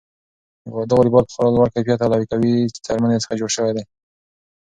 دا واليبال په خورا لوړ کیفیت او له قوي څرمنې څخه جوړ شوی.